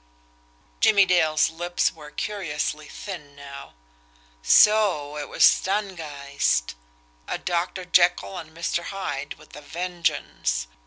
Jimmie Dale's lips were curiously thin now. So it was Stangeist! A Doctor Jekyll and Mr. Hyde with a vengeance!